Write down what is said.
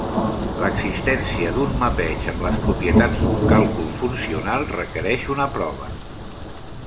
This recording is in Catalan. L'existència d'un mapeig amb les propietats d'un càlcul funcional requereix una prova.